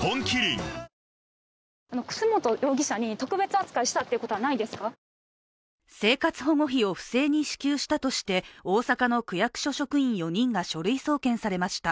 本麒麟生活保護費を不正に支給したとして大阪の区役所職員４人が書類送検されました。